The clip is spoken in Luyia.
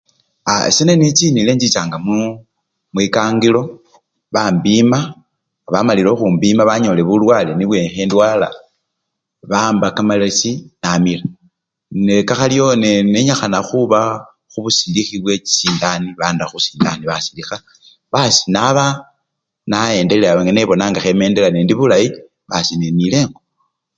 A ! ese nenichinile enchichanga mwikangilo bambima nga bamalile khukhumbima banyolile bulwale nibwo khendwala, bamba kamalesi namila nekakhaliyo nenenyikhana khuba khubusilikhi bwe chisindani, banda khusindani basilikha basi nabawo nayendelea nebona nga khemendelea, indi bulayi basi nenila engo.